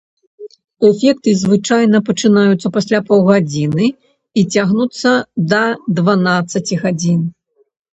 Эфекты звычайна пачынаюцца пасля паўгадзіны і цягнуцца да дванаццаці гадзін.